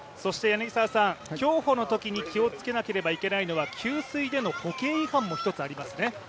競歩のときに気をつけなければいけないのは給水での歩型違反も一つありますよね。